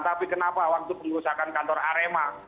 tapi kenapa waktu pengurusakan kantor arema